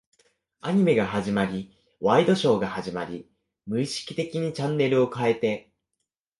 アニメが終わり、ワイドショーが始まり、無意識的にチャンネルを変えて、